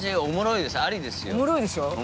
おもろいでしょ？